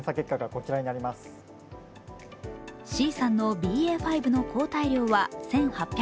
ＣさんのＢＡ．５の抗体量は１８１２。